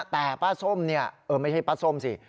แต่ป้าส้มเนี่ยไม่ใช่ป้าส้มสิ